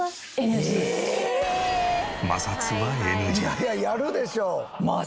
いやいややるでしょ。